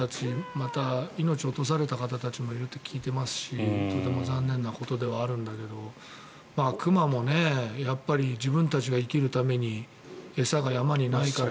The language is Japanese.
また、命を落とされた方たちもいると聞いていますしとても残念なことですが熊もやっぱり自分たちが生きるために餌が山にないから